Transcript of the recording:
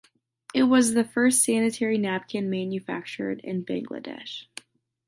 It was the first Sanitary napkin manufactured in Bangladesh.